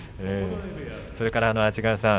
それから安治川さん